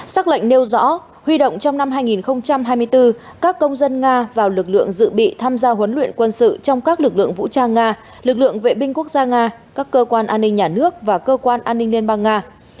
xác lệnh nêu rõ huy động trong năm hai nghìn hai mươi bốn các công dân nga vào lực lượng dự bị tham gia huấn luyện quân sự trong các lực lượng vũ trang nga lực lượng vệ binh quốc gia nga các cơ quan an ninh nhà nước và cơ quan an ninh liên bang nga